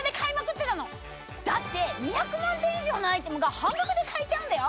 だって２００万点以上のアイテムが半額で買えちゃうんだよ！